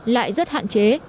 lại rất hạn chế